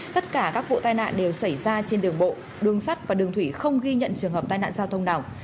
tất cả các vụ tai nạn đều xảy ra trên đường bộ đường sắt và đường thủy không ghi nhận trường hợp tai nạn giao thông nào